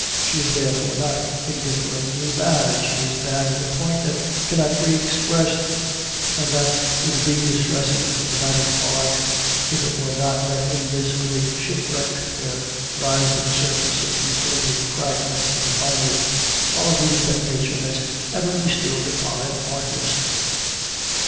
She is therefore not indifferently bad. She is bad to a point that cannot be expressed and that would be distressing for dramatic art if it were not that in this great shipwreck there rise to the surface a few floating fragments of the finest qualities that nature has ever bestowed upon an artist."